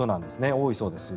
多いそうです。